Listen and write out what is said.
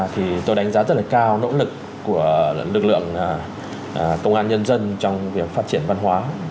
thì tôi đánh giá rất là cao nỗ lực của lực lượng công an nhân dân trong việc phát triển văn hóa